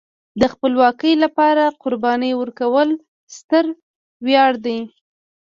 د خپلواکۍ لپاره قرباني ورکول ستر ویاړ دی.